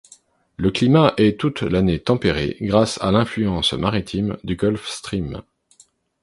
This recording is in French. Le climat est toute l'année tempéré grâce à l'influence maritime du Gulf Stream.